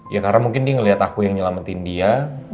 ya karena mungkin dia ngelihat aku yang nyelamatin dia